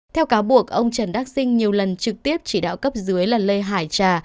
theo cáo buộc ông trần đắc sinh nhiều lần trực tiếp chỉ đạo cấp dưới là lê hải trà